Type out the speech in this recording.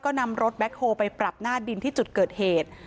ก็นำรถแบ็คโฮล์ไปปรับหน้าดินที่จุดเกิดเหตุ